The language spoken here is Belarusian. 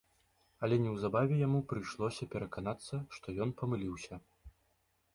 Але неўзабаве яму прыйшлося пераканацца, што ён памыліўся.